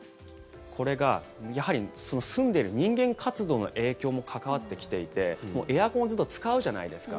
これが、やはり住んでいる人間活動の影響も関わってきていて、エアコンをずっと使うじゃないですか。